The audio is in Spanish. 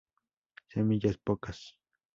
Semillas pocas.